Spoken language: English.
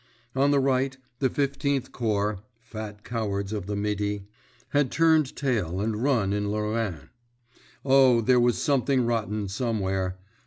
On the right, the Fifteenth Corps (fat cowards of the Midi) had turned tail and run in Lorraine. Oh, there was something rotten somewhere.